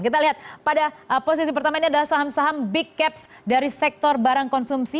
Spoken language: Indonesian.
kita lihat pada posisi pertama ini adalah saham saham big caps dari sektor barang konsumsi